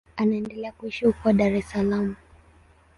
Anaendelea kuishi huko Dar es Salaam.